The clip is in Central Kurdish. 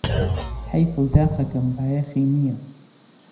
حەیفه و داخەکەم بایەخی نییە